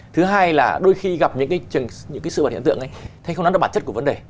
thứ hai là đôi khi gặp những cái sự bản hiện tượng ấy thấy không nó là bản chất của vấn đề